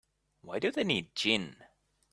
Why do they need gin?